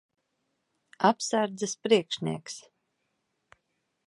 Apsardzes priekšnieks.